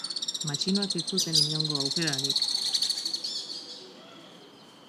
Matxinoek ez zuten inongo aukerarik.